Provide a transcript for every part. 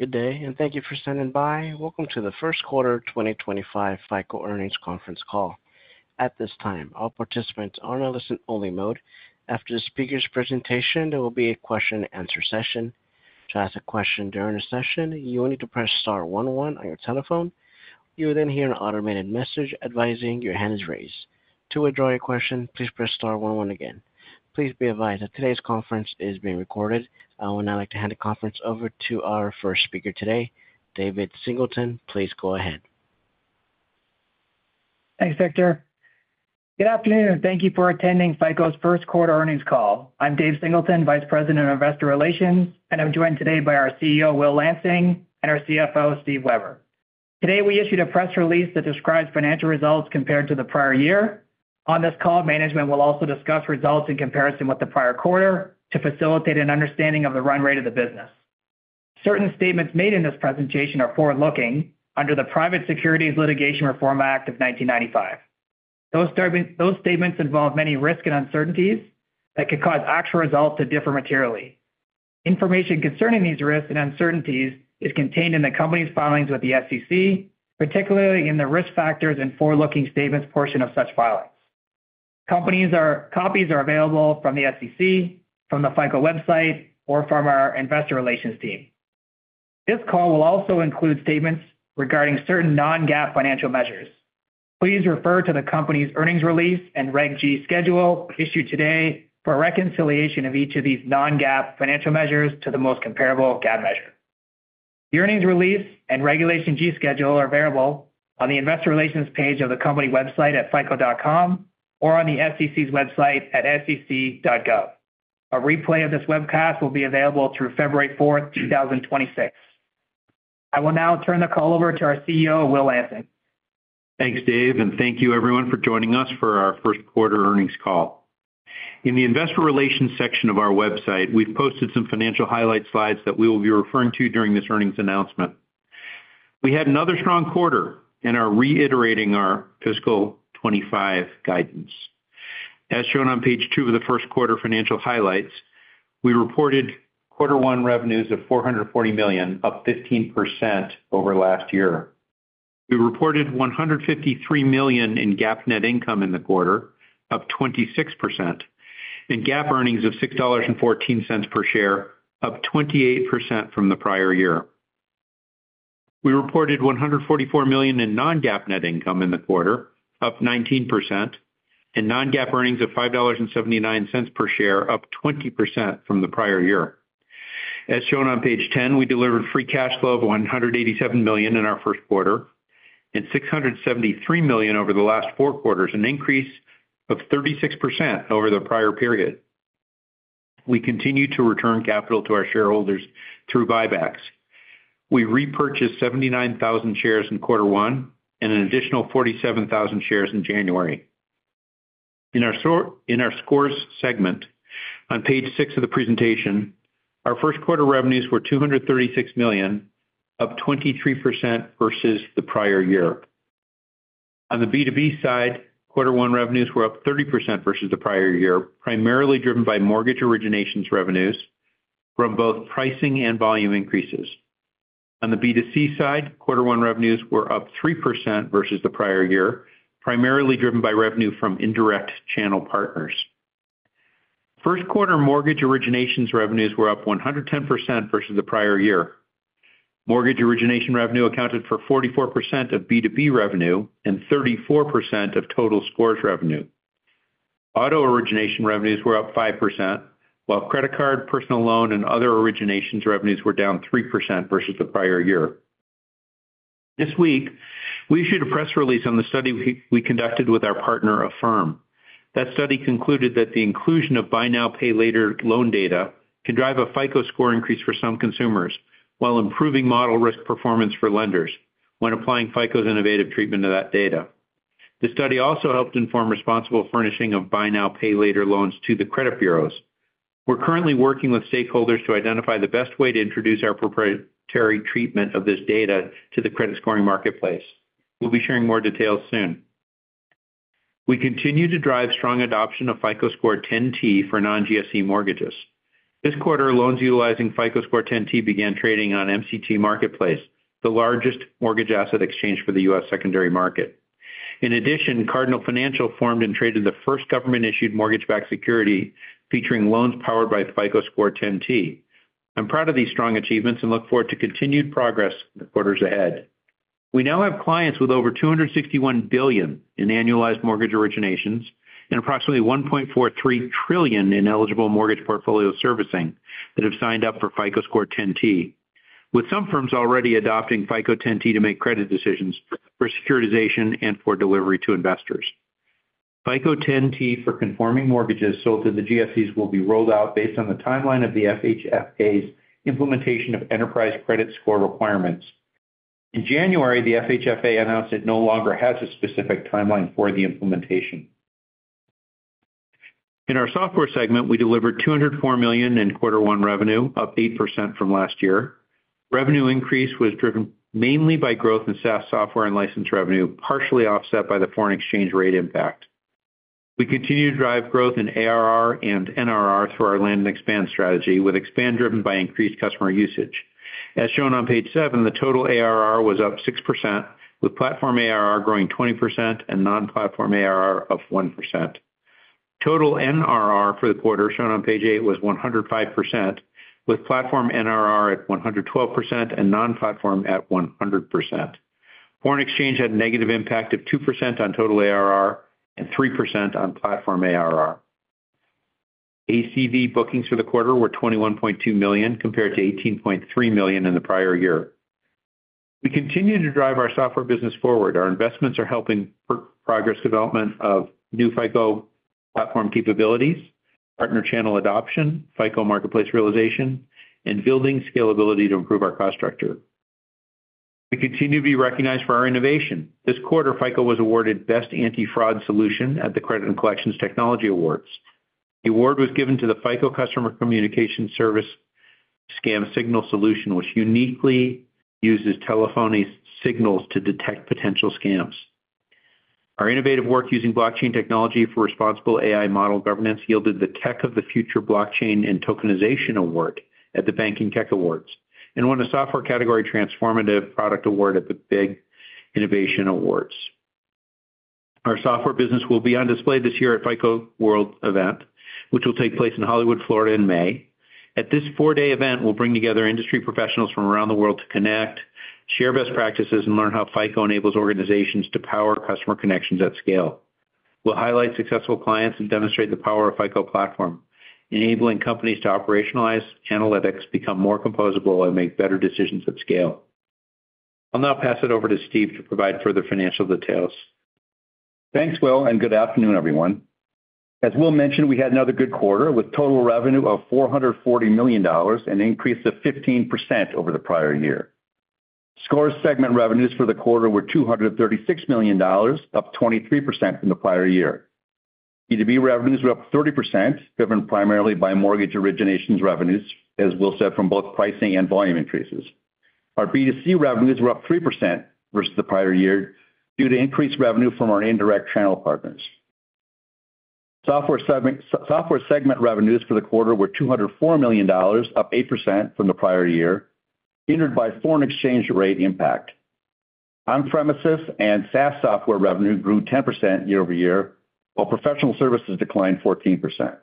Good day, and thank you for standing by. Welcome to the first quarter 2025 FICO Earnings Conference Call. At this time, all participants are on a listen-only mode. After the speaker's presentation, there will be a question-and-answer session. To ask a question during the session, you will need to press star one one on your telephone. You will then hear an automated message advising your hand is raised. To withdraw your question, please press star one one again. Please be advised that today's conference is being recorded. I would now like to hand the conference over to our first speaker today, David Singleton. Please go ahead. Thanks, Victor. Good afternoon, and thank you for attending FICO's first quarter earnings call. I'm Dave Singleton, Vice President of Investor Relations, and I'm joined today by our CEO, Will Lansing, and our CFO, Steve Weber. Today, we issued a press release that describes financial results compared to the prior year. On this call, management will also discuss results in comparison with the prior quarter to facilitate an understanding of the run rate of the business. Certain statements made in this presentation are forward-looking under the Private Securities Litigation Reform Act of 1995. Those statements involve many risks and uncertainties that could cause actual results to differ materially. Information concerning these risks and uncertainties is contained in the company's filings with the SEC, particularly in the risk factors and forward-looking statements portion of such filings. Copies are available from the SEC, from the FICO website, or from our investor relations team. This call will also include statements regarding certain non-GAAP financial measures. Please refer to the company's earnings release and Regulation G schedule issued today for reconciliation of each of these non-GAAP financial measures to the most comparable GAAP measure. The earnings release and Regulation G schedule are available on the investor relations page of the company website at fico.com or on the SEC's website at sec.gov. A replay of this webcast will be available through February 4, 2026. I will now turn the call over to our CEO, Will Lansing. Thanks, Dave, and thank you, everyone, for joining us for our first quarter earnings call. In the investor relations section of our website, we've posted some financial highlight slides that we will be referring to during this earnings announcement. We had another strong quarter and are reiterating our fiscal 2025 guidance. As shown on page two of the first quarter financial highlights, we reported quarter one revenues of $440 million, up 15% over last year. We reported $153 million in GAAP net income in the quarter, up 26%, and GAAP earnings of $6.14 per share, up 28% from the prior year. We reported $144 million in non-GAAP net income in the quarter, up 19%, and non-GAAP earnings of $5.79 per share, up 20% from the prior year. As shown on page 10, we delivered free cash flow of $187 million in our first quarter and $673 million over the last four quarters, an increase of 36% over the prior period. We continue to return capital to our shareholders through buybacks. We repurchased 79,000 shares in quarter one and an additional 47,000 shares in January. In our scores segment, on page six of the presentation, our first quarter revenues were $236 million, up 23% versus the prior year. On the B2B side, quarter one revenues were up 30% versus the prior year, primarily driven by mortgage originations revenues from both pricing and volume increases. On the B2C side, quarter one revenues were up 3% versus the prior year, primarily driven by revenue from indirect channel partners. First quarter mortgage originations revenues were up 110% versus the prior year. Mortgage origination revenue accounted for 44% of B2B revenue and 34% of total scores revenue. Auto origination revenues were up 5%, while credit card, personal loan, and other originations revenues were down 3% versus the prior year. This week, we issued a press release on the study we conducted with our partner, Affirm. That study concluded that the inclusion of Buy Now, Pay Later loan data can drive a FICO Score increase for some consumers while improving model risk performance for lenders when applying FICO's innovative treatment to that data. The study also helped inform responsible furnishing of Buy Now, Pay Later loans to the credit bureaus. We're currently working with stakeholders to identify the best way to introduce our proprietary treatment of this data to the credit scoring marketplace. We'll be sharing more details soon. We continue to drive strong adoption of FICO Score 10T for non-GSE mortgages. This quarter, loans utilizing FICO Score 10T began trading on MCT Marketplace, the largest mortgage asset exchange for the U.S. secondary market. In addition, Cardinal Financial formed and traded the first government-issued mortgage-backed security featuring loans powered by FICO Score 10T. I'm proud of these strong achievements and look forward to continued progress in the quarters ahead. We now have clients with over $261 billion in annualized mortgage originations and approximately $1.43 trillion in eligible mortgage portfolio servicing that have signed up for FICO Score 10T, with some firms already adopting FICO Score 10T to make credit decisions for securitization and for delivery to investors. FICO Score 10T for conforming mortgages sold to the GSEs will be rolled out based on the timeline of the FHFA's implementation of enterprise credit score requirements. In January, the FHFA announced it no longer has a specific timeline for the implementation. In our software segment, we delivered $204 million in quarter one revenue, up 8% from last year. Revenue increase was driven mainly by growth in SaaS software and license revenue, partially offset by the foreign exchange rate impact. We continue to drive growth in ARR and NRR through our land and expand strategy, with expand driven by increased customer usage. As shown on page seven, the total ARR was up 6%, with platform ARR growing 20% and non-platform ARR of 1%. Total NRR for the quarter, shown on page eight, was 105%, with platform NRR at 112% and non-platform at 100%. Foreign exchange had a negative impact of 2% on total ARR and 3% on platform ARR. ACV bookings for the quarter were $21.2 million compared to $18.3 million in the prior year. We continue to drive our software business forward. Our investments are helping progress development of new FICO Platform capabilities, partner channel adoption, FICO marketplace realization, and building scalability to improve our cost structure. We continue to be recognized for our innovation. This quarter, FICO was awarded Best Anti-Fraud Solution at the Credit and Collections Technology Awards. The award was given to the FICO Customer Communication Service Scam Signal Solution, which uniquely uses telephony signals to detect potential scams. Our innovative work using blockchain technology for responsible AI model governance yielded the Tech of the Future Blockchain and Tokenization Award at the Banking Tech Awards and won a Software Category Transformative Product Award at the Big Innovation Awards. Our software business will be on display this year at FICO World event, which will take place in Hollywood, Florida, in May. At this four-day event, we'll bring together industry professionals from around the world to connect, share best practices, and learn how FICO enables organizations to power customer connections at scale. We'll highlight successful clients and demonstrate the power of FICO Platform, enabling companies to operationalize analytics, become more composable, and make better decisions at scale. I'll now pass it over to Steve to provide further financial details. Thanks, Will, and good afternoon, everyone. As Will mentioned, we had another good quarter with total revenue of $440 million and an increase of 15% over the prior year. Scores segment revenues for the quarter were $236 million, up 23% from the prior year. B2B revenues were up 30%, driven primarily by mortgage originations revenues, as Will said, from both pricing and volume increases. Our B2C revenues were up 3% versus the prior year due to increased revenue from our indirect channel partners. Software segment revenues for the quarter were $204 million, up 8% from the prior year, hindered by foreign exchange rate impact. On-premises and SaaS software revenue grew 10% year-over-year, while professional services declined 14%.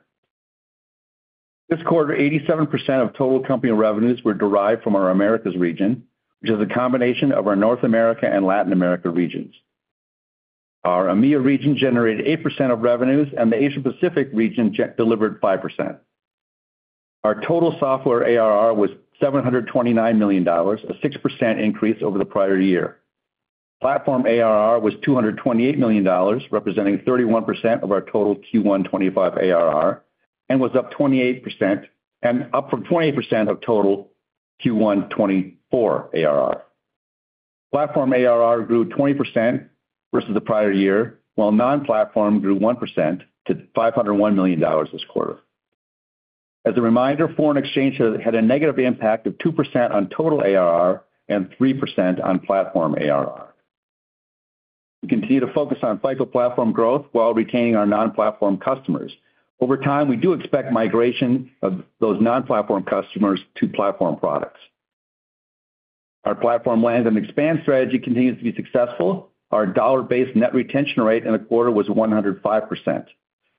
This quarter, 87% of total company revenues were derived from our Americas region, which is a combination of our North America and Latin America regions. Our EMEA region generated 8% of revenues, and the Asia-Pacific region delivered 5%. Our total software ARR was $729 million, a 6% increase over the prior year. Platform ARR was $228 million, representing 31% of our total Q1 2025 ARR, and was up 28%, up from 28% of total Q1 2024 ARR. Platform ARR grew 20% versus the prior year, while non-platform grew 1% to $501 million this quarter. As a reminder, foreign exchange had a negative impact of 2% on total ARR and 3% on platform ARR. We continue to focus on FICO Platform growth while retaining our non-platform customers. Over time, we do expect migration of those non-platform customers to Platform products. Our Platform land and expand strategy continues to be successful. Our dollar-based net retention rate in the quarter was 105%.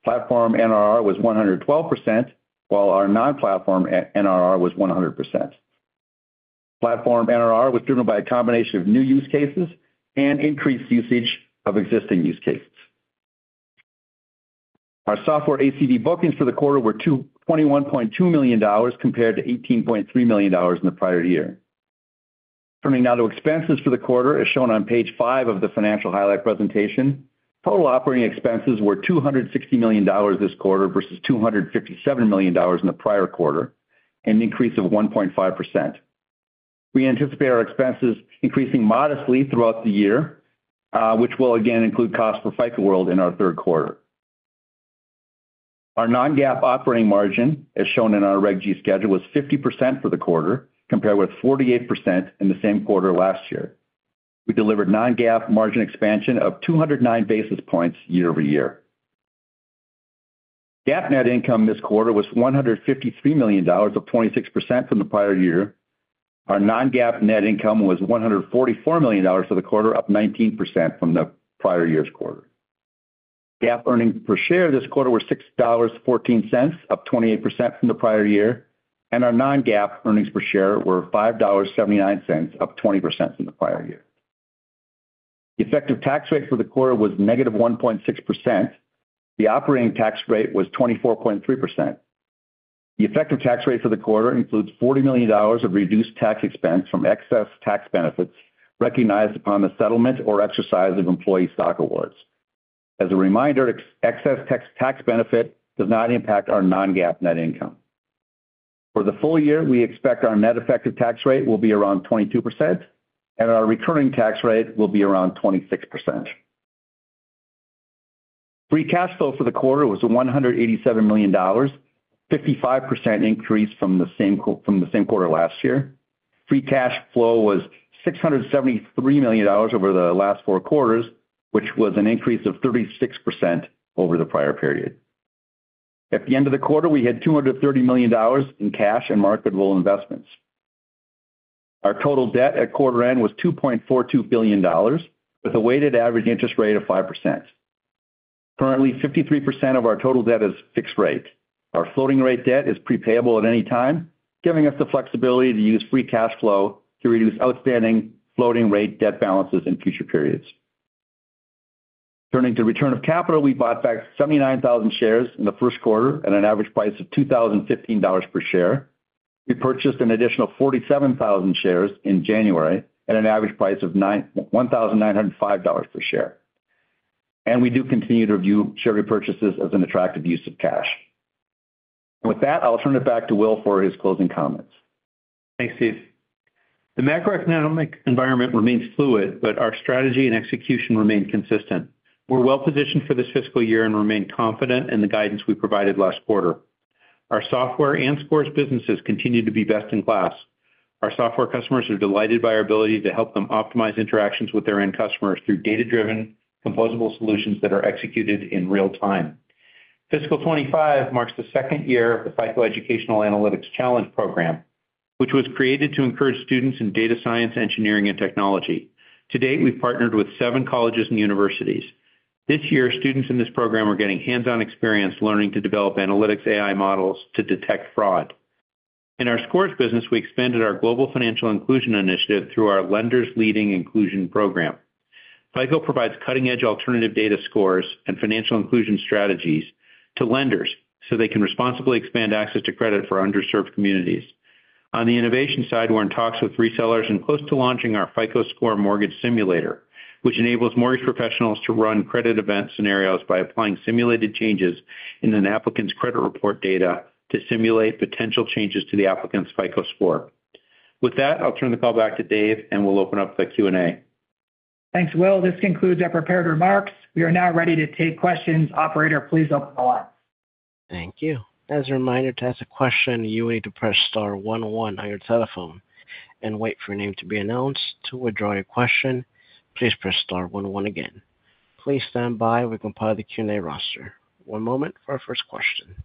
Platform NRR was 112%, while our non-platform NRR was 100%. Platform NRR was driven by a combination of new use cases and increased usage of existing use cases. Our software ACV bookings for the quarter were $21.2 million compared to $18.3 million in the prior year. Turning now to expenses for the quarter, as shown on page five of the financial highlight presentation, total operating expenses were $260 million this quarter versus $257 million in the prior quarter, an increase of 1.5%. We anticipate our expenses increasing modestly throughout the year, which will again include costs for FICO World in our third quarter. Our non-GAAP operating margin, as shown in our Reg G schedule, was 50% for the quarter, compared with 48% in the same quarter last year. We delivered non-GAAP margin expansion of 209 basis points year-over-year. GAAP net income this quarter was $153 million, up 26% from the prior year. Our non-GAAP net income was $144 million for the quarter, up 19% from the prior year's quarter. GAAP earnings per share this quarter were $6.14, up 28% from the prior year, and our non-GAAP earnings per share were $5.79, up 20% from the prior year. The effective tax rate for the quarter was negative 1.6%. The operating tax rate was 24.3%. The effective tax rate for the quarter includes $40 million of reduced tax expense from excess tax benefits recognized upon the settlement or exercise of employee stock awards. As a reminder, excess tax benefit does not impact our non-GAAP net income. For the full year, we expect our net effective tax rate will be around 22%, and our recurring tax rate will be around 26%. Free cash flow for the quarter was $187 million, up 55% increase from the same quarter last year. Free cash flow was $673 million over the last four quarters, which was an increase of 36% over the prior period. At the end of the quarter, we had $230 million in cash and marketable investments. Our total debt at quarter end was $2.42 billion, with a weighted average interest rate of 5%. Currently, 53% of our total debt is fixed rate. Our floating rate debt is prepayable at any time, giving us the flexibility to use free cash flow to reduce outstanding floating rate debt balances in future periods. Turning to return of capital, we bought back 79,000 shares in the first quarter at an average price of $2,015 per share. We purchased an additional 47,000 shares in January at an average price of $1,905 per share, and we do continue to view share repurchases as an attractive use of cash. With that, I'll turn it back to Will for his closing comments. Thanks, Steve. The macroeconomic environment remains fluid, but our strategy and execution remain consistent. We're well positioned for this fiscal year and remain confident in the guidance we provided last quarter. Our software and scores businesses continue to be best in class. Our software customers are delighted by our ability to help them optimize interactions with their end customers through data-driven, composable solutions that are executed in real time. Fiscal 2025 marks the second year of the FICO Educational Analytics Challenge Program, which was created to encourage students in data science, engineering, and technology. To date, we've partnered with seven colleges and universities. This year, students in this program are getting hands-on experience learning to develop analytics AI models to detect fraud. In our scores business, we expanded our global financial inclusion initiative through our Lenders Leading Inclusion Program. FICO provides cutting-edge alternative data scores and financial inclusion strategies to lenders so they can responsibly expand access to credit for underserved communities. On the innovation side, we're in talks with resellers and close to launching our FICO Score Mortgage Simulator, which enables mortgage professionals to run credit event scenarios by applying simulated changes in an applicant's credit report data to simulate potential changes to the applicant's FICO score. With that, I'll turn the call back to Dave, and we'll open up the Q&A. Thanks, Will. This concludes our prepared remarks. We are now ready to take questions. Operator, please open the line. Thank you. As a reminder, to ask a question, you will need to press star one one on your telephone and wait for your name to be announced. To withdraw your question, please press star one one again. Please stand by. We're going to purge the Q&A roster. One moment for our first question.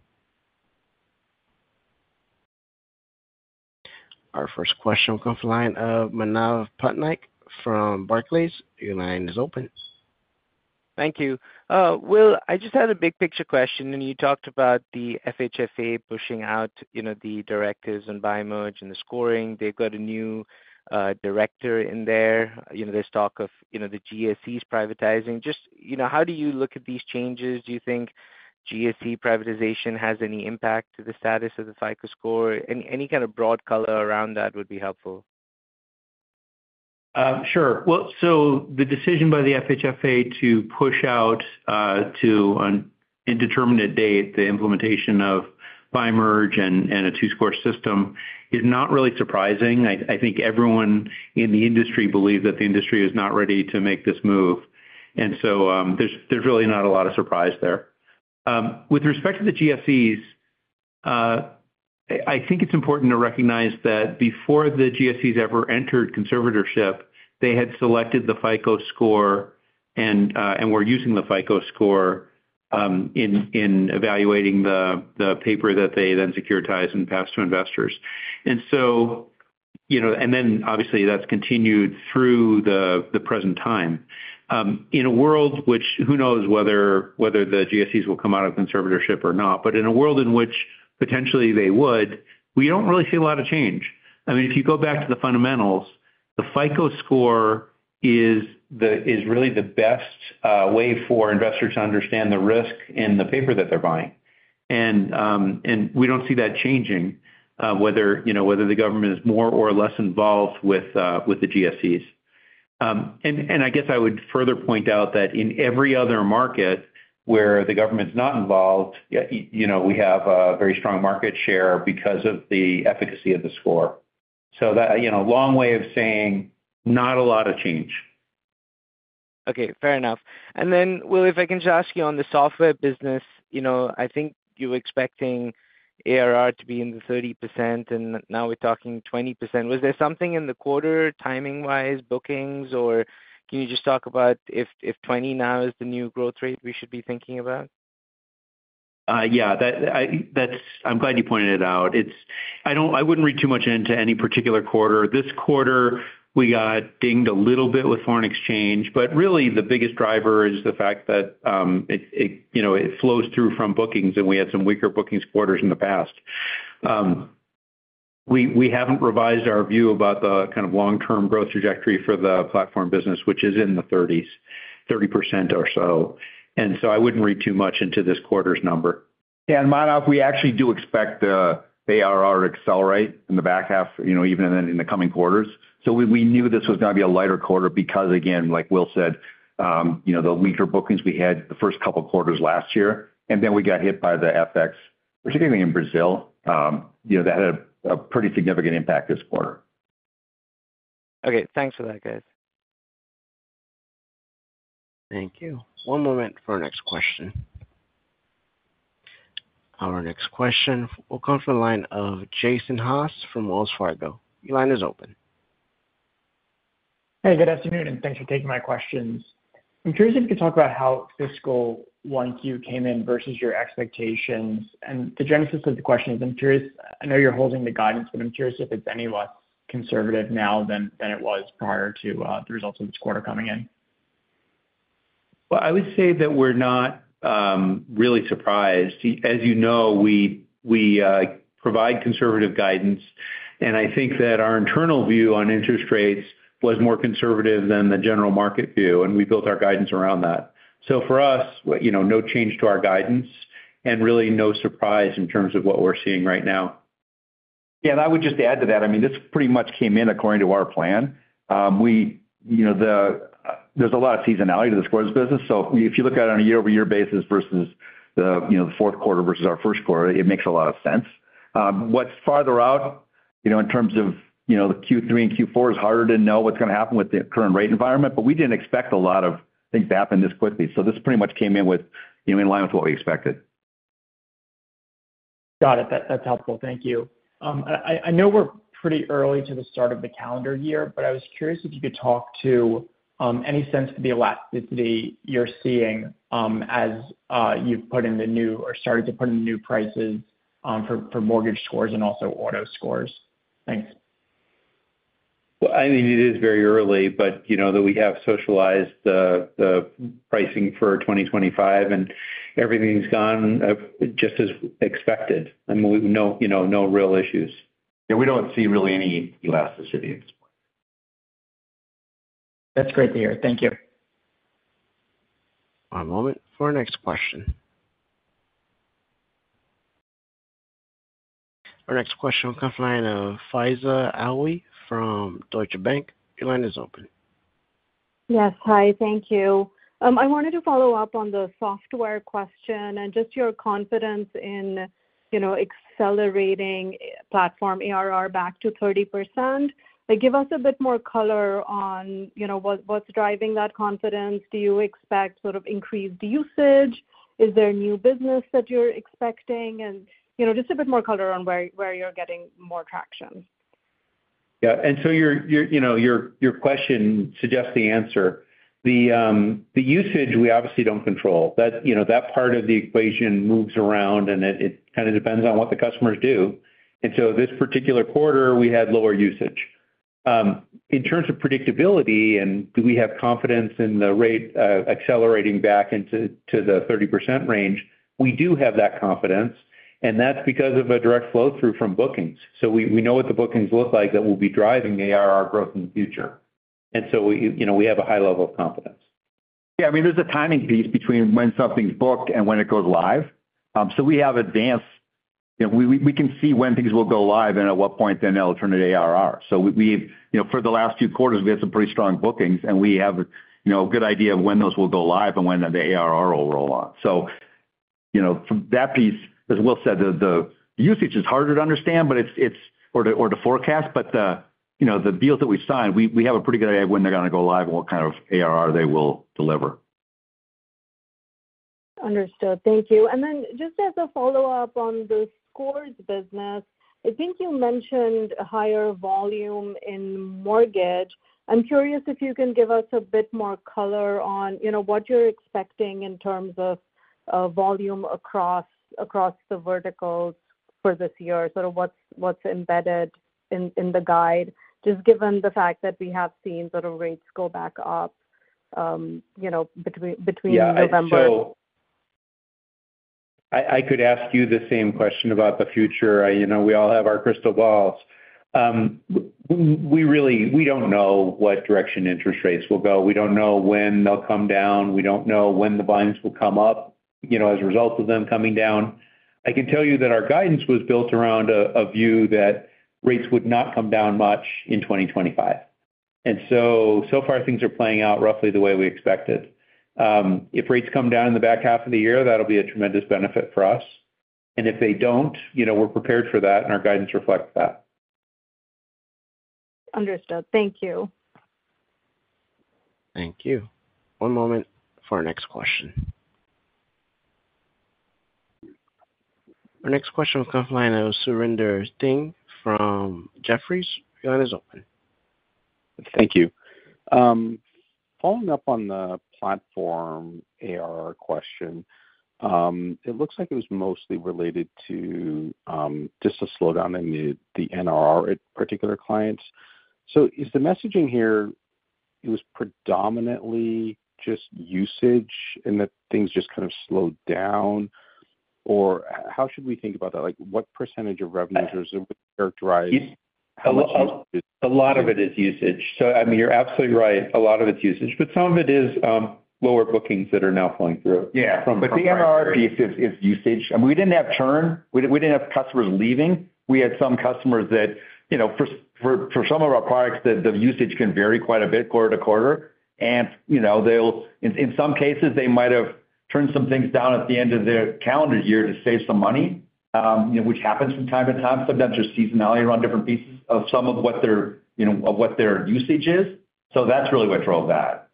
Our first question will come from the line of Manav Patnaik from Barclays. Your line is open. Thank you. Will, I just had a big picture question, and you talked about the FHFA pushing out the directives and the scoring. They've got a new director in there. There's talk of the GSEs privatizing. Just how do you look at these changes? Do you think GSE privatization has any impact to the status of the FICO Score? Any kind of broad color around that would be helpful. Sure. Well, so the decision by the FHFA to push out to, on a determinate date, the implementation of bi-merge and a two-score system is not really surprising. I think everyone in the industry believes that the industry is not ready to make this move. And so there's really not a lot of surprise there. With respect to the GSEs, I think it's important to recognize that before the GSEs ever entered conservatorship, they had selected the FICO Score and were using the FICO Score in evaluating the paper that they then securitized and passed to investors. And then, obviously, that's continued through the present time. In a world which who knows whether the GSEs will come out of conservatorship or not, but in a world in which potentially they would, we don't really see a lot of change. I mean, if you go back to the fundamentals, the FICO Score is really the best way for investors to understand the risk in the paper that they're buying. And we don't see that changing, whether the government is more or less involved with the GSEs. And I guess I would further point out that in every other market where the government's not involved, we have a very strong market share because of the efficacy of the score. So that long way of saying, not a lot of change. Okay. Fair enough. And then, Will, if I can just ask you on the software business, I think you were expecting ARR to be in the 30%, and now we're talking 20%. Was there something in the quarter, timing-wise, bookings, or can you just talk about if 20 now is the new growth rate we should be thinking about? Yeah. I'm glad you pointed it out. I wouldn't read too much into any particular quarter. This quarter, we got dinged a little bit with foreign exchange, but really, the biggest driver is the fact that it flows through from bookings, and we had some weaker bookings quarters in the past. We haven't revised our view about the kind of long-term growth trajectory for the platform business, which is in the 30s, 30% or so, and so I wouldn't read too much into this quarter's number. Yeah, and Manav, we actually do expect the ARR to accelerate in the back half, even in the coming quarters, so we knew this was going to be a lighter quarter because, again, like Will said, the weaker bookings we had the first couple of quarters last year, and then we got hit by the FX, particularly in Brazil. That had a pretty significant impact this quarter. Okay. Thanks for that, guys. Thank you. One moment for our next question. Our next question will come from the line of Jason Haas from Wells Fargo. Your line is open. Hey, good afternoon, and thanks for taking my questions. I'm curious if you could talk about how fiscal Q1 came in versus your expectations. The genesis of the question is I'm curious. I know you're holding the guidance, but I'm curious if it's any less conservative now than it was prior to the results of this quarter coming in. I would say that we're not really surprised. As you know, we provide conservative guidance, and I think that our internal view on interest rates was more conservative than the general market view, and we built our guidance around that. So for us, no change to our guidance and really no surprise in terms of what we're seeing right now. Yeah, and I would just add to that, I mean, this pretty much came in according to our plan. There's a lot of seasonality to the scores business, so if you look at it on a year-over-year basis versus the fourth quarter versus our first quarter, it makes a lot of sense. What's farther out in terms of Q3 and Q4 is harder to know what's going to happen with the current rate environment, but we didn't expect a lot of things to happen this quickly, so this pretty much came in line with what we expected. Got it. That's helpful. Thank you. I know we're pretty early to the start of the calendar year, but I was curious if you could talk to any sense of the elasticity you're seeing as you've put in the new or started to put in the new prices for mortgage scores and also auto scores. Thanks. I mean, it is very early, but we have socialized the pricing for 2025, and everything's gone just as expected. I mean, no real issues. Yeah. We don't see really any elasticity at this point. That's great to hear. Thank you. One moment for our next question. Our next question will come from the line of Faiza Alwy from Deutsche Bank. Your line is open. Yes. Hi. Thank you. I wanted to follow up on the software question and just your confidence in accelerating platform ARR back to 30%. Give us a bit more color on what's driving that confidence. Do you expect sort of increased usage? Is there new business that you're expecting? And just a bit more color on where you're getting more traction. Yeah. And so your question suggests the answer. The usage, we obviously don't control. That part of the equation moves around, and it kind of depends on what the customers do. And so this particular quarter, we had lower usage. In terms of predictability and do we have confidence in the rate accelerating back into the 30% range, we do have that confidence, and that's because of a direct flow through from bookings. So we know what the bookings look like that will be driving ARR growth in the future. And so we have a high level of confidence. Yeah. I mean, there's a timing piece between when something's booked and when it goes live. So we have advanced we can see when things will go live and at what point then they'll turn into ARR. So for the last few quarters, we had some pretty strong bookings, and we have a good idea of when those will go live and when the ARR will roll on. So that piece, as Will said, the usage is harder to understand or to forecast, but the deals that we signed, we have a pretty good idea of when they're going to go live and what kind of ARR they will deliver. Understood. Thank you. And then just as a follow-up on the scores business, I think you mentioned higher volume in mortgage. I'm curious if you can give us a bit more color on what you're expecting in terms of volume across the verticals for this year, sort of what's embedded in the guide, just given the fact that we have seen sort of rates go back up between November? Yeah. So I could ask you the same question about the future. We all have our crystal balls. We don't know what direction interest rates will go. We don't know when they'll come down. We don't know when the buying will come up as a result of them coming down. I can tell you that our guidance was built around a view that rates would not come down much in 2025, and so far, things are playing out roughly the way we expected. If rates come down in the back half of the year, that'll be a tremendous benefit for us, and if they don't, we're prepared for that, and our guidance reflects that. Understood. Thank you. Thank you. One moment for our next question. Our next question will come from the line of Surinder Thind from Jefferies. Your line is open. Thank you. Following up on the platform ARR question, it looks like it was mostly related to just a slowdown in the NRR at particular clients. So is the messaging here it was predominantly just usage and that things just kind of slowed down, or how should we think about that? What percentage of revenues or is it characterized? A lot of it is usage, so I mean, you're absolutely right. A lot of it's usage, but some of it is lower bookings that are now flowing through from platform, yeah, but the NRR piece is usage. We didn't have churn. We didn't have customers leaving. We had some customers that for some of our products, the usage can vary quite a bit quarter-to-quarter, and in some cases, they might have turned some things down at the end of their calendar year to save some money, which happens from time to time. Sometimes there's seasonality around different pieces of some of what their usage is, so that's really what drove that,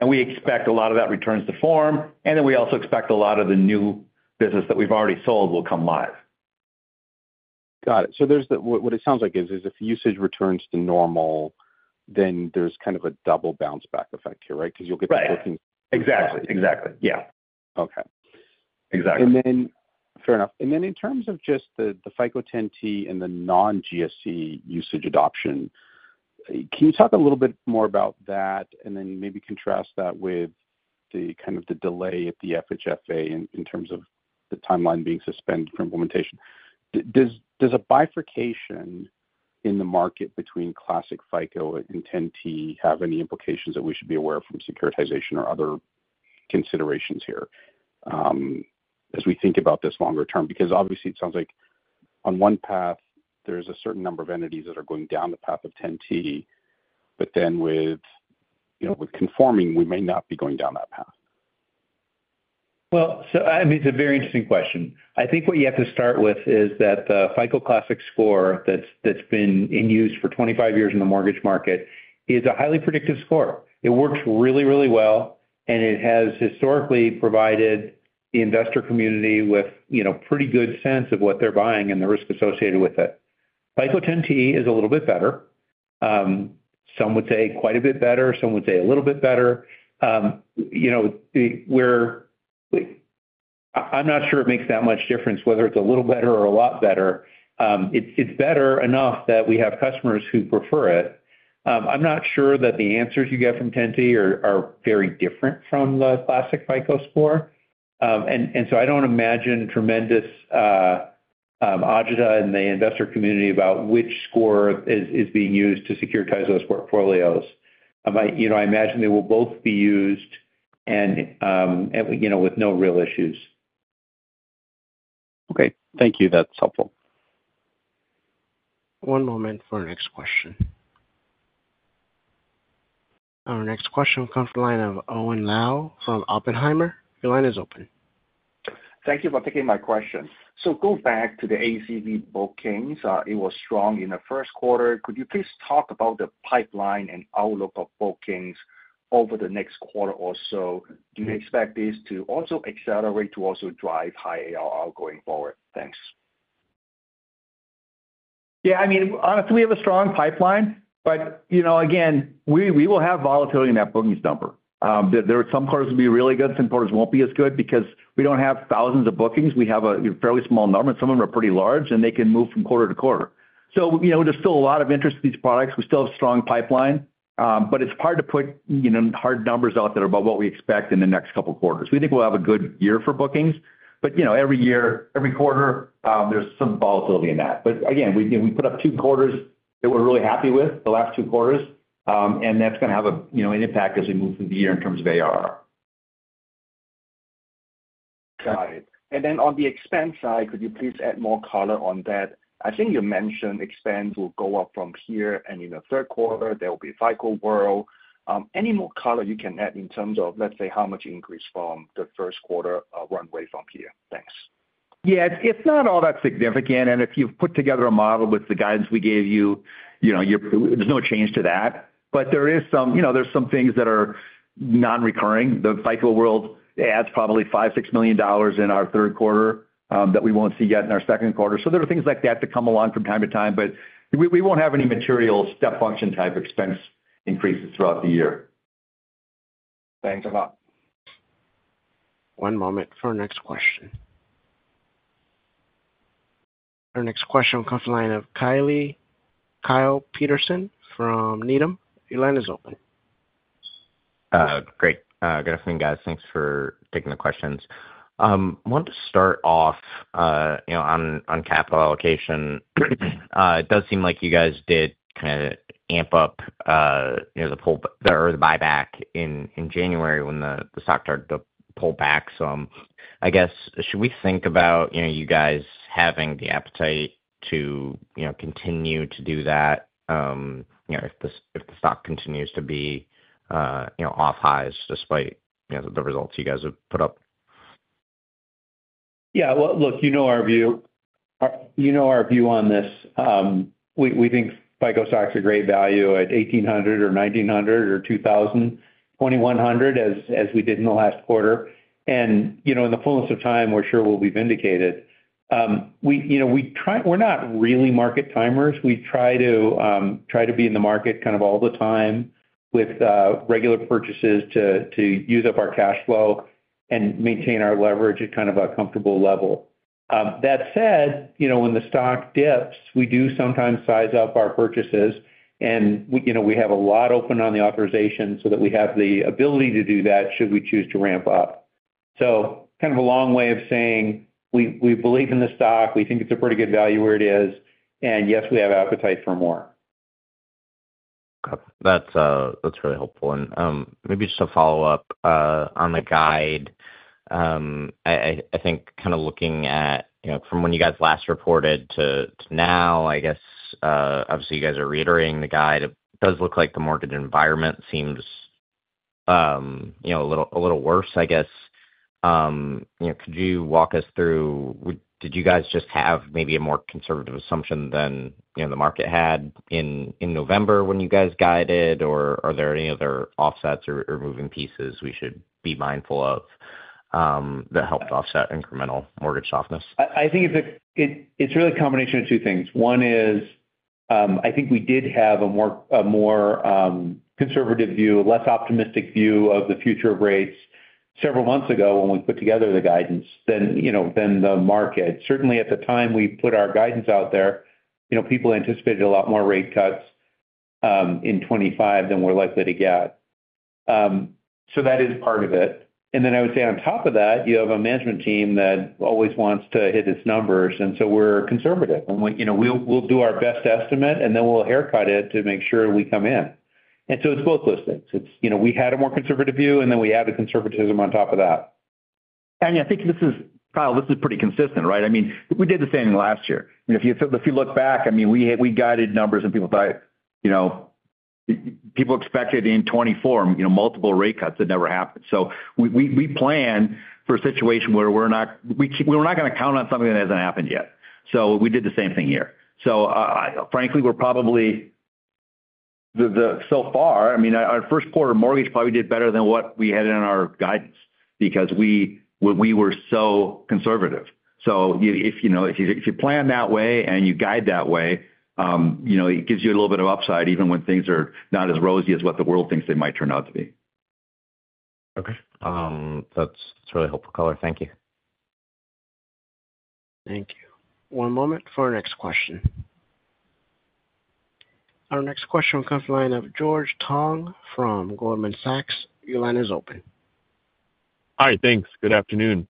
and we expect a lot of that returns to form, and then we also expect a lot of the new business that we've already sold will come live. Got it. So what it sounds like is if usage returns to normal, then there's kind of a double bounce back effect here, right? Because you'll get the bookings. Right. Exactly. Exactly. Yeah. Okay. Exactly. Fair enough. And then in terms of just the FICO 10T and the non-GSE usage adoption, can you talk a little bit more about that and then maybe contrast that with kind of the delay at the FHFA in terms of the timeline being suspended for implementation? Does a bifurcation in the market between classic FICO and 10T have any implications that we should be aware of from securitization or other considerations here as we think about this longer term? Because obviously, it sounds like on one path, there's a certain number of entities that are going down the path of 10T, but then with conforming, we may not be going down that path. I mean, it's a very interesting question. I think what you have to start with is that the FICO classic score that's been in use for 25 years in the mortgage market is a highly predictive score. It works really, really well, and it has historically provided the investor community with a pretty good sense of what they're buying and the risk associated with it. FICO 10T is a little bit better. Some would say quite a bit better. Some would say a little bit better. I'm not sure it makes that much difference whether it's a little better or a lot better. It's better enough that we have customers who prefer it. I'm not sure that the answers you get from 10T are very different from the classic FICO score. And so I don't imagine tremendous agita in the investor community about which score is being used to securitize those portfolios. I imagine they will both be used with no real issues. Okay. Thank you. That's helpful. One moment for our next question. Our next question will come from the line of Owen Lau from Oppenheimer. Your line is open. Thank you for taking my question. So going back to the ACV bookings, it was strong in the first quarter. Could you please talk about the pipeline and outlook of bookings over the next quarter or so? Do you expect this to also accelerate to also drive high ARR going forward? Thanks. Yeah. I mean, honestly, we have a strong pipeline, but again, we will have volatility in that bookings number. There are some quarters that will be really good, some quarters won't be as good because we don't have thousands of bookings. We have a fairly small number, and some of them are pretty large, and they can move from quarter-to-quarter. So there's still a lot of interest in these products. We still have a strong pipeline, but it's hard to put hard numbers out there about what we expect in the next couple of quarters. We think we'll have a good year for bookings, but every year, every quarter, there's some volatility in that. But again, we put up two quarters that we're really happy with, the last two quarters, and that's going to have an impact as we move through the year in terms of ARR. Got it. And then on the expense side, could you please add more color on that? I think you mentioned expense will go up from here, and in the third quarter, there will be FICO World. Any more color you can add in terms of, let's say, how much increase from the first quarter run rate from here? Thanks. Yeah. It's not all that significant. And if you've put together a model with the guidance we gave you, there's no change to that. But there are some things that are non-recurring. The FICO World adds probably $5million-$6 million in our third quarter that we won't see yet in our second quarter, so there are things like that that come along from time to time, but we won't have any material step function type expense increases throughout the year. Thanks a lot. One moment for our next question. Our next question will come from the line of Kyle Peterson from Needham. Your line is open. Great. Good afternoon, guys. Thanks for taking the questions. I wanted to start off on capital allocation. It does seem like you guys did kind of amp up the buyback in January when the stock started to pull back. So I guess, should we think about you guys having the appetite to continue to do that if the stock continues to be off highs despite the results you guys have put up? Yeah, well, look, you know our view on this. We think FICO stocks are great value at $1,800 or $1,900 or $2,000, $2,100 as we did in the last quarter, and in the fullness of time, we're sure we'll be vindicated. We're not really market timers. We try to be in the market kind of all the time with regular purchases to use up our cash flow and maintain our leverage at kind of a comfortable level. That said, when the stock dips, we do sometimes size up our purchases, and we have a lot open on the authorization so that we have the ability to do that should we choose to ramp up, so kind of a long way of saying we believe in the stock, we think it's a pretty good value where it is, and yes, we have appetite for more. Got it. That's really helpful. And maybe just a follow-up on the guide. I think kind of looking at from when you guys last reported to now, I guess, obviously, you guys are reiterating the guide. It does look like the mortgage environment seems a little worse, I guess. Could you walk us through? Did you guys just have maybe a more conservative assumption than the market had in November when you guys guided, or are there any other offsets or moving pieces we should be mindful of that helped offset incremental mortgage softness? I think it's really a combination of two things. One is I think we did have a more conservative view, a less optimistic view of the future of rates several months ago when we put together the guidance than the market. Certainly, at the time we put our guidance out there, people anticipated a lot more rate cuts in 2025 than we're likely to get. So that is part of it. And then I would say on top of that, you have a management team that always wants to hit its numbers. And so we're conservative. We'll do our best estimate, and then we'll haircut it to make sure we come in. And so it's both those things. We had a more conservative view, and then we added conservatism on top of that. And I think this is, Kyle, this is pretty consistent, right? I mean, we did the same thing last year. If you look back, I mean, we guided numbers, and people thought people expected in 2024 multiple rate cuts that never happened. So we plan for a situation where we're not going to count on something that hasn't happened yet. So we did the same thing here. So frankly, we're probably so far, I mean, our first quarter mortgage probably did better than what we had in our guidance because we were so conservative. So if you plan that way and you guide that way, it gives you a little bit of upside even when things are not as rosy as what the world thinks they might turn out to be. Okay. That's really helpful color. Thank you. Thank you. One moment for our next question. Our next question will come from the line of George Tong from Goldman Sachs. Your line is open. Hi. Thanks. Good afternoon.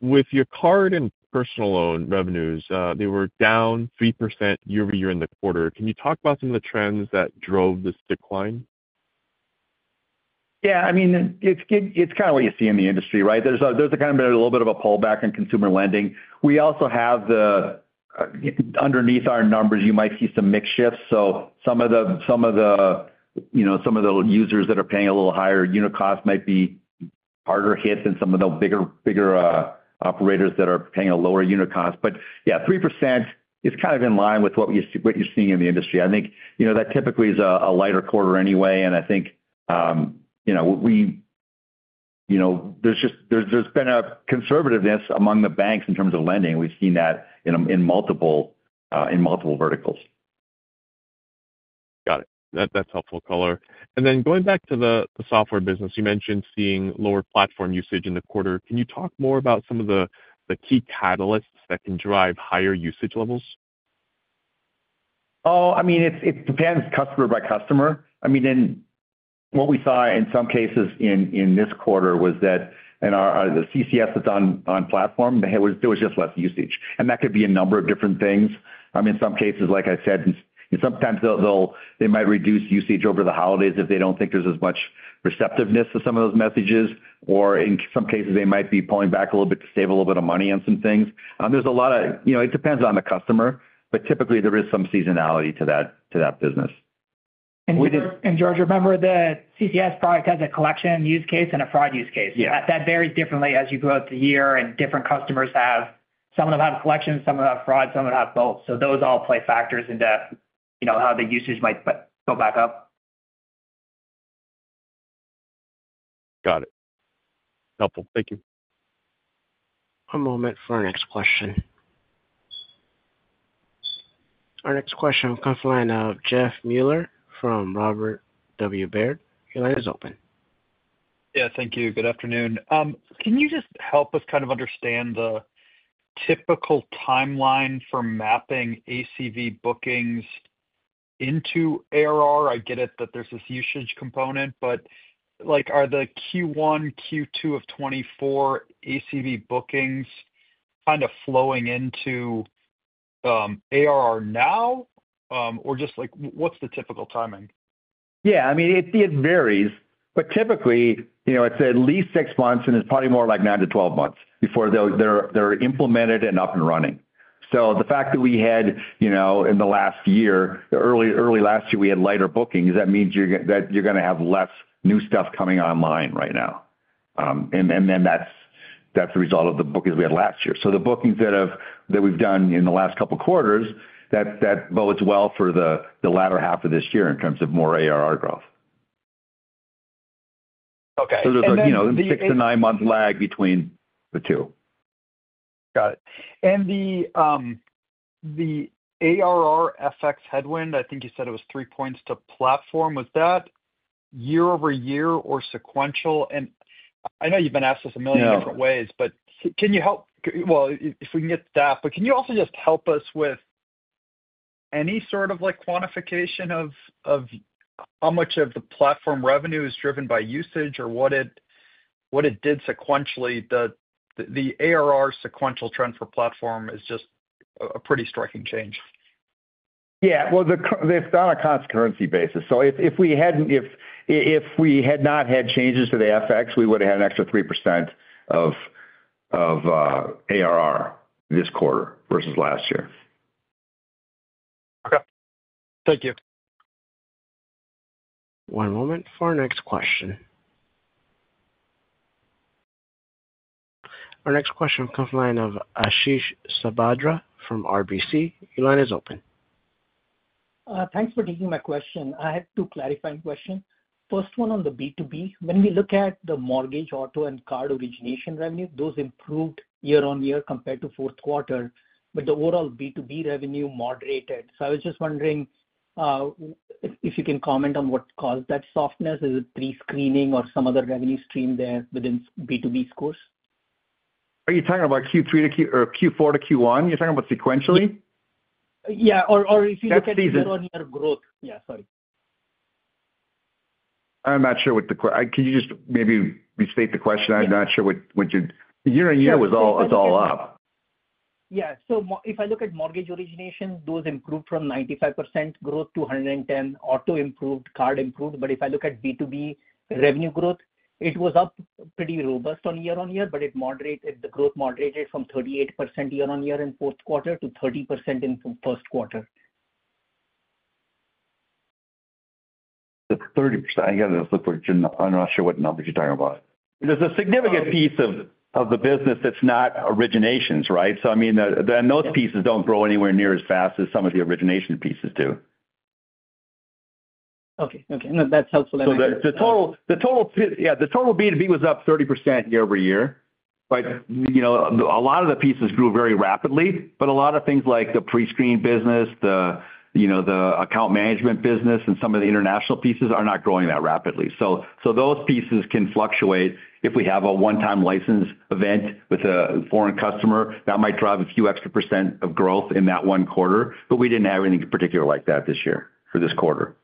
With your card and personal loan revenues, they were down 3% year-over-year in the quarter. Can you talk about some of the trends that drove this decline? Yeah. I mean, it's kind of what you see in the industry, right? There's kind of been a little bit of a pullback in consumer lending. We also have the underneath our numbers, you might see some mixed shifts. So some of the users that are paying a little higher unit cost might be harder hit than some of the bigger operators that are paying a lower unit cost. But yeah, 3% is kind of in line with what you're seeing in the industry. I think that typically is a lighter quarter anyway. And I think there's been a conservativeness among the banks in terms of lending. We've seen that in multiple verticals. Got it. That's helpful color. And then going back to the software business, you mentioned seeing lower platform usage in the quarter. Can you talk more about some of the key catalysts that can drive higher usage levels? Oh, I mean, it depends customer by customer. I mean, what we saw in some cases in this quarter was that the CCS that's on platform, there was just less usage. And that could be a number of different things. I mean, in some cases, like I said, sometimes they might reduce usage over the holidays if they don't think there's as much receptiveness to some of those messages. Or in some cases, they might be pulling back a little bit to save a little bit of money on some things. There's a lot of it depends on the customer, but typically, there is some seasonality to that business. And George, remember that CCS product has a collection use case and a fraud use case. That varies differently as you go through the year, and different customers have, some of them have collections, some of them have fraud, some of them have both. So those all play factors into how the usage might go back up. Got it. Helpful. Thank you. One moment for our next question. Our next question will come from the line of Jeff Meuler from Robert W. Baird. Your line is open. Yeah. Thank you. Good afternoon. Can you just help us kind of understand the typical timeline for mapping ACV bookings into ARR? I get it that there's this usage component, but are the Q1, Q2 of 2024 ACV bookings kind of flowing into ARR now, or just what's the typical timing? Yeah. I mean, it varies, but typically, it's at least six months, and it's probably more like nine to 12 months before they're implemented and up and running. So the fact that we had, in the last year—early last year—we had lighter bookings, that means you're going to have less new stuff coming online right now, and then that's the result of the bookings we had last year. So the bookings that we've done in the last couple of quarters, that bodes well for the latter half of this year in terms of more ARR growth. So there's a six- to nine-month lag between the two. Got it. And the ARR FX headwind, I think you said it was three points to platform. Was that year-over-year or sequential? And I know you've been asked this a million different ways, but can you help? Well, if we can get that. But can you also just help us with any sort of quantification of how much of the platform revenue is driven by usage or what it did sequentially? The ARR sequential trend for platform is just a pretty striking change. Yeah. Well, it's on a constant currency basis. So if we had not had changes to the FX, we would have had an extra 3% of ARR this quarter versus last year. Okay. Thank you. One moment for our next question. Our next question will come from the line of Ashish Sabadra from RBC. Your line is open. Thanks for taking my question. I have two clarifying questions. First one on the B2B. When we look at the mortgage, auto, and card origination revenue, those improved year-on-year compared to fourth quarter, but the overall B2B revenue moderated. So I was just wondering if you can comment on what caused that softness. Is it prescreening or some other revenue stream there within B2B scores? Are you talking about Q3 or Q4-Q1? You're talking about sequentially? Yeah. Or if you look at year-on-year growth. That's the season. Yeah. Sorry. I'm not sure what the question is. Can you just maybe restate the question? I'm not sure what you're. Year-on-year was all up. Yeah. So if I look at mortgage origination, those improved from 95% growth to 110%, auto improved, card improved. But if I look at B2B revenue growth, it was up pretty robust year-on-year, but the growth moderated from 38% year-on-year in fourth quarter to 30% in first quarter. 30%? I got to look for. I'm not sure what number you're talking about. There's a significant piece of the business that's not originations, right? So I mean, and those pieces don't grow anywhere near as fast as some of the origination pieces do. Okay. Okay. That's helpful. So the total, yeah, the total B2B was up 30% year-over-year. But a lot of the pieces grew very rapidly, but a lot of things like the prescreen business, the account management business, and some of the international pieces are not growing that rapidly. So those pieces can fluctuate. If we have a one-time license event with a foreign customer, that might drive a few extra percent of growth in that one quarter. But we didn't have anything particular like that this year for this quarter.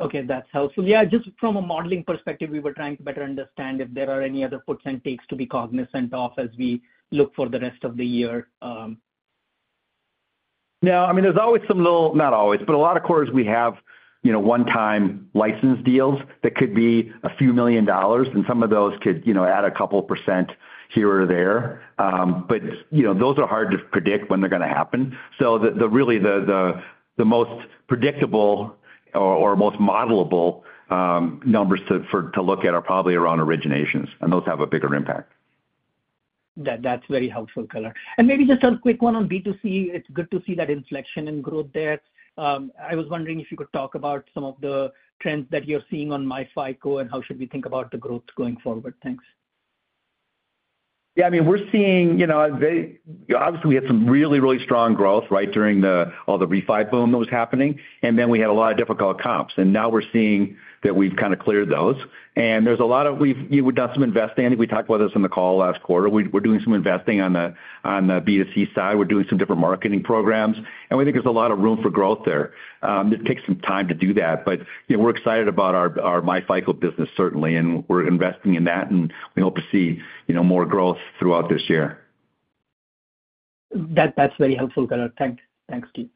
Okay. That's helpful. Yeah. Just from a modeling perspective, we were trying to better understand if there are any other FX takes to be cognizant of as we look for the rest of the year. Now, I mean, there's always some little, not always, but a lot of quarters we have one-time license deals that could be a few million dollars, and some of those could add a couple percent here or there. But those are hard to predict when they're going to happen. So really, the most predictable or most modelable numbers to look at are probably around originations, and those have a bigger impact. That's very helpful, Will. And maybe just a quick one on B2C. It's good to see that inflection in growth there. I was wondering if you could talk about some of the trends that you're seeing on myFICO and how should we think about the growth going forward? Thanks. Yeah. I mean, we're seeing, obviously, we had some really, really strong growth, right, during all the refi boom that was happening. And then we had a lot of difficult comps. And now we're seeing that we've kind of cleared those. And there's a lot of, we've done some investing. I think we talked about this on the call last quarter. We're doing some investing on the B2C side. We're doing some different marketing programs. And we think there's a lot of room for growth there. It takes some time to do that. But we're excited about our myFICO business, certainly, and we're investing in that, and we hope to see more growth throughout this year. That's very helpful, Color. Thanks. Thanks, Steve.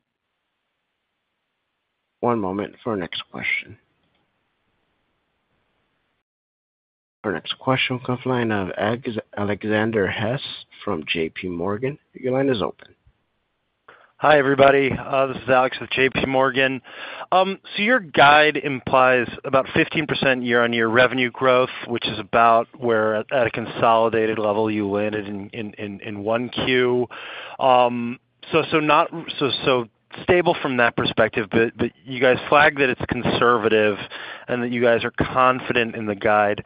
One moment for our next question. Our next question will come from the line of Alexander Hess from JPMorgan. Your line is open. Hi, everybody. This is Alex with JPMorgan. So your guide implies about 15% year-on-year revenue growth, which is about where at a consolidated level you landed in Q1. So stable from that perspective, but you guys flagged that it's conservative and that you guys are confident in the guide.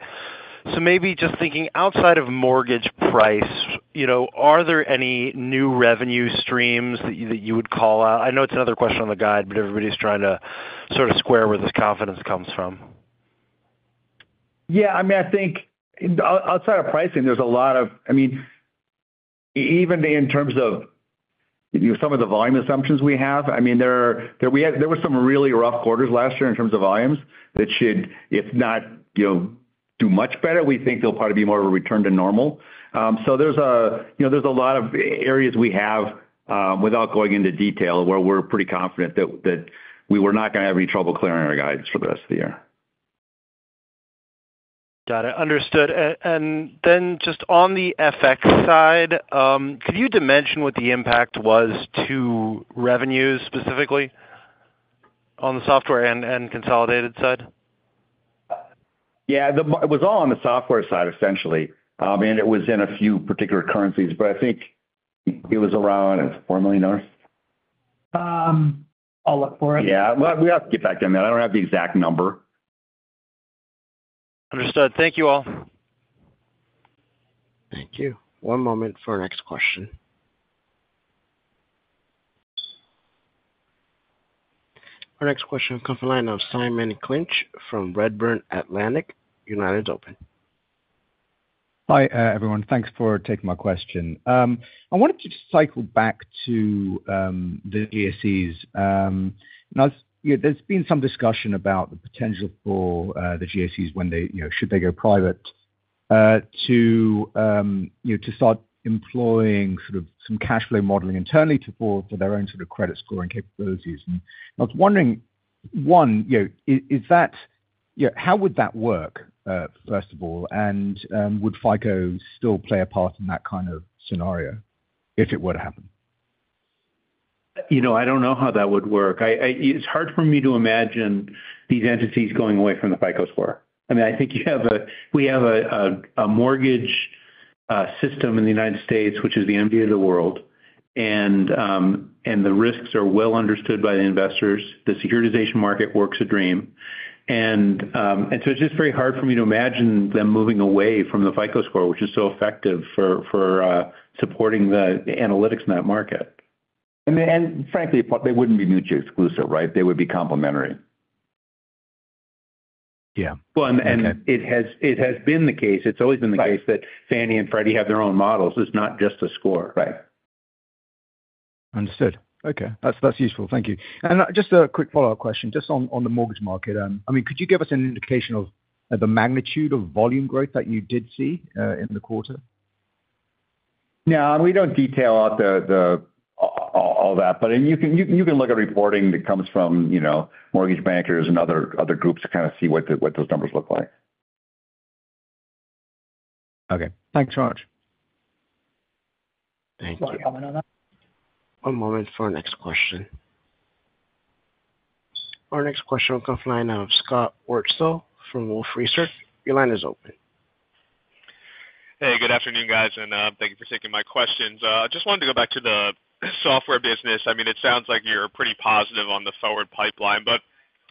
So maybe just thinking outside of mortgage pricing, are there any new revenue streams that you would call out? I know it's another question on the guide, but everybody's trying to sort of square where this confidence comes from? Yeah. I mean, I think outside of pricing, there's a lot of, I mean, even in terms of some of the volume assumptions we have, I mean, there were some really rough quarters last year in terms of volumes that should, if not do much better, we think there'll probably be more of a return to normal. So there's a lot of areas we have, without going into detail, where we're pretty confident that we were not going to have any trouble clearing our guides for the rest of the year. Got it. Understood. And then just on the FX side, could you dimension what the impact was to revenues specifically on the software and consolidated side? Yeah. It was all on the software side, essentially. I mean, it was in a few particular currencies, but I think it was around $4 million. I'll look for it. Yeah. We have to get back to them. I don't have the exact number. Understood. Thank you all. Thank you. One moment for our next question. Our next question will come from the line of Simon Clinch from Redburn Atlantic. Your line is open. Hi, everyone. Thanks for taking my question. I wanted to just cycle back to the GSEs. There's been some discussion about the potential for the GSEs when they should they go private to start employing sort of some cash flow modeling internally for their own sort of credit scoring capabilities. And I was wondering, one, is that how would that work, first of all? And would FICO still play a part in that kind of scenario if it were to happen? I don't know how that would work. It's hard for me to imagine these entities going away from the FICO score. I mean, I think you have a—we have a mortgage system in the United States, which is the envy of the world. And the risks are well understood by the investors. The securitization market works like a dream. And so it's just very hard for me to imagine them moving away from the FICO score, which is so effective for supporting the analytics in that market. And frankly, they wouldn't be mutually exclusive, right? They would be complementary. Yeah. Well, and it has been the case. It's always been the case that Fannie and Freddie have their own models. It's not just a score. Right. Understood. Okay. That's useful. Thank you. And just a quick follow-up question, just on the mortgage market. I mean, could you give us an indication of the magnitude of volume growth that you did see in the quarter? Now, we don't detail out all that, but you can look at reporting that comes from mortgage bankers and other groups to kind of see what those numbers look like. Okay. Thanks so much. Thank you. One moment for our next question. Our next question will come from the line of Scott Wurtzel from Wolfe Research. Your line is open. Hey, good afternoon, guys. And thank you for taking my questions. I just wanted to go back to the software business. I mean, it sounds like you're pretty positive on the forward pipeline, but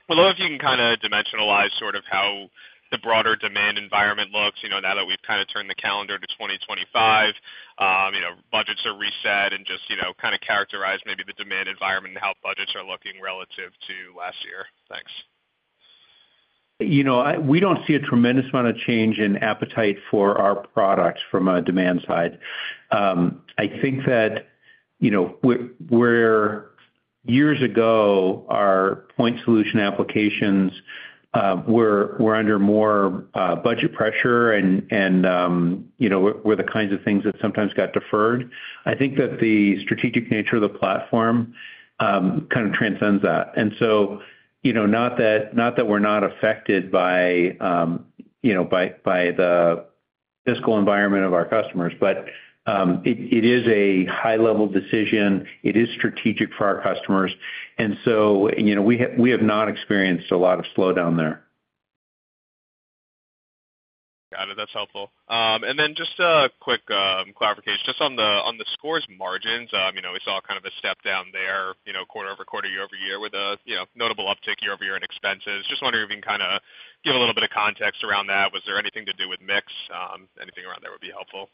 would love if you can kind of dimensionalize sort of how the broader demand environment looks now that we've kind of turned the calendar to 2025, budgets are reset, and just kind of characterize maybe the demand environment and how budgets are looking relative to last year. Thanks. We don't see a tremendous amount of change in appetite for our products from a demand side. I think that where years ago, our point solution applications were under more budget pressure and were the kinds of things that sometimes got deferred, I think that the strategic nature of the platform kind of transcends that. And so not that we're not affected by the fiscal environment of our customers, but it is a high-level decision. It is strategic for our customers. And so we have not experienced a lot of slowdown there. Got it. That's helpful. And then just a quick clarification. Just on the Scores margins, we saw kind of a step down there quarter over quarter, year-over-year, with a notable uptick year-over-year in expenses. Just wondering if you can kind of give a little bit of context around that. Was there anything to do with mix? Anything around there would be helpful.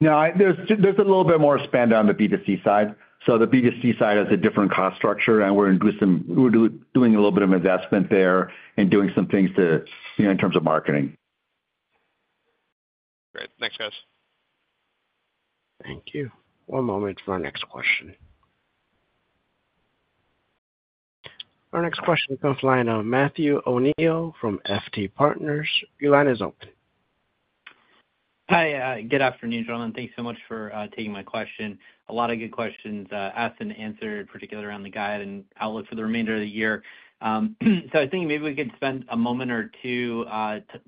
No. There's a little bit more spend on the B2C side. So the B2C side has a different cost structure, and we're doing a little bit of investment there and doing some things in terms of marketing. Great. Thanks, guys. Thank you. One moment for our next question. Our next question comes from the line of Matthew O'Neill from FT Partners. Your line is open. Hi. Good afternoon, gentlemen. Thanks so much for taking my question. A lot of good questions asked and answered, particularly around the guide and outlook for the remainder of the year. So I was thinking maybe we could spend a moment or two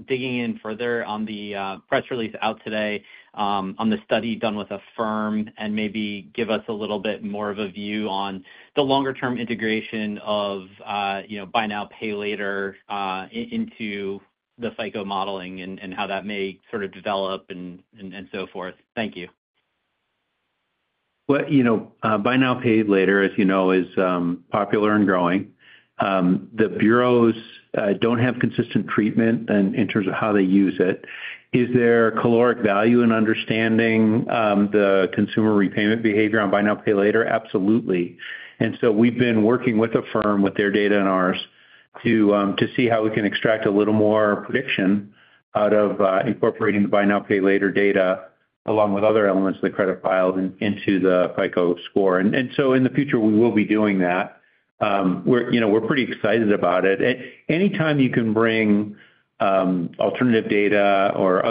digging in further on the press release out today on the study done with Affirm and maybe give us a little bit more of a view on the longer-term integration of Buy Now, Pay Later into the FICO modeling and how that may sort of develop and so forth. Thank you. Buy Now, Pay Later, as you know, is popular and growing. The bureaus don't have consistent treatment in terms of how they use it. Is there caloric value in understanding the consumer repayment behavior on Buy Now, Pay Later? Absolutely. And so we've been working with Affirm with their data and ours to see how we can extract a little more prediction out of incorporating the Buy Now, Pay later data along with other elements of the credit file into the FICO Score. And so in the future, we will be doing that. We're pretty excited about it. Anytime you can bring alternative data or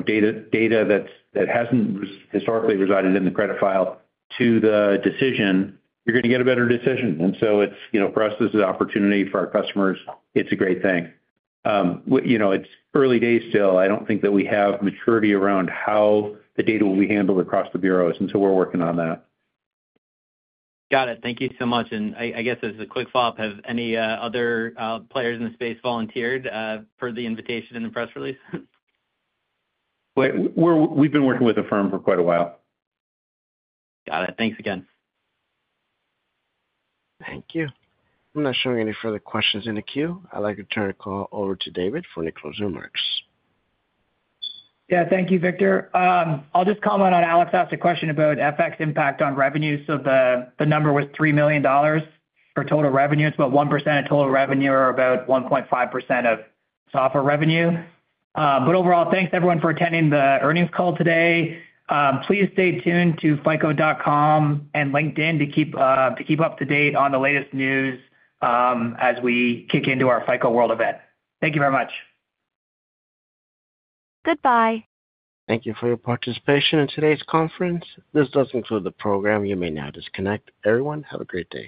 data that hasn't historically resided in the credit file to the decision, you're going to get a better decision. And so for us, this is an opportunity for our customers. It's a great thing. It's early days still. I don't think that we have maturity around how the data will be handled across the bureaus. And so we're working on that. Got it. Thank you so much. And I guess as a quick follow-up, have any other players in the space volunteered for the invitation in the press release? We've been working with Affirm for quite a while. Got it. Thanks again. Thank you. I'm not showing any further questions in the queue. I'd like to turn the call over to David for any closing remarks. Yeah. Thank you, Victor. I'll just comment on Alex asked a question about FX impact on revenue. So the number was $3 million for total revenue. It's about 1% of total revenue or about 1.5% of software revenue. But overall, thanks everyone for attending the earnings call today. Please stay tuned to fico.com and LinkedIn to keep up to date on the latest news as we kick into our FICO World event. Thank you very much. Goodbye. Thank you for your participation in today's conference. This does conclude the program. You may now disconnect. Everyone, have a great day.